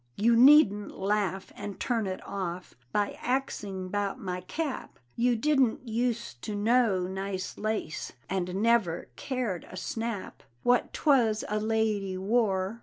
You needn't laugh, and turn it off By axing 'bout my cap; You didn't use to know nice lace, And never cared a snap What 'twas a lady wore.